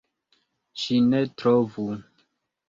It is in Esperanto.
Ŝi ne trovu!